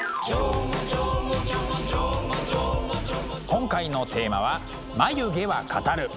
今回のテーマは「眉毛は語る」。